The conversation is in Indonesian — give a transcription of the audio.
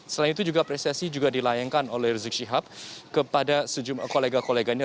selain itu juga apresiasi juga dilayangkan oleh rizik syihab kepada sejumlah kolega koleganya